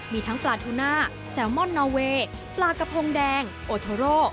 มีทั้งปลาทูน่าแซลมอนนอเวย์ปลากระพงแดงโอโทโร